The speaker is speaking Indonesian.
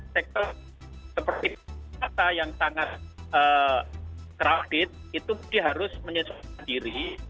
sektor seperti kota yang sangat crowded itu harus menyusun diri